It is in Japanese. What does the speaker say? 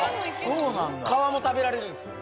皮も食べられるんすよ。